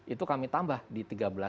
itu kami tambah di tiga belas